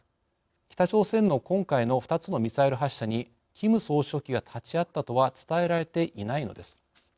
北朝鮮の今回の２つのミサイル発射にキム総書記が立ち会ったとは伝えられていないのです。